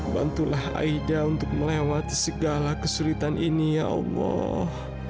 bantulah aida untuk melewati segala kesulitan ini ya allah